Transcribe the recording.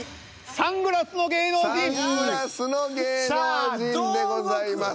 「サングラスの芸能人」でございます。